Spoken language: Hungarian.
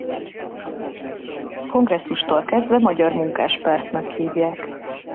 Kongresszustól kezdve Magyar Munkáspártnak hívják.